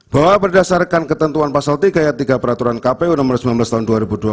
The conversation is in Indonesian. bahwa berdasarkan ketentuan pasal tiga ayat tiga peraturan kpu nomor sembilan belas tahun dua ribu dua puluh